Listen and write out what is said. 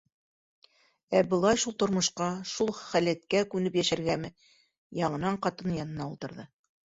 — Ә былай шул тормошҡа, шул халәткә күнеп йәшәргәме? -яңынан ҡатыны янына ултырҙы.